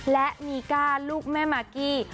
และมีก้าลูกแม่มากกี้